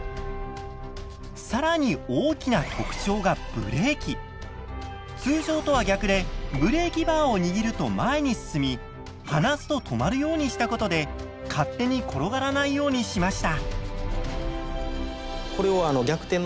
更に大きな特徴がブレーキバーを握ると前に進み離すと止まるようにしたことで勝手に転がらないようにしました。